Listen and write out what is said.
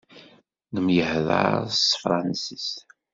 Nemyehḍaṛ s tefransist.